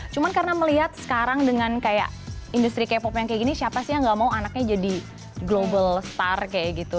cuma karena melihat sekarang dengan kayak industri k pop yang kayak gini siapa sih yang gak mau anaknya jadi global star kayak gitu